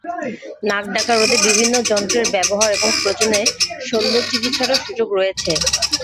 নাক ডাকা রোধে বিভিন্ন যন্ত্রের ব্যবহার এবং প্রয়োজনে শল্যচিকিৎসারও সুযোগ রয়েছে।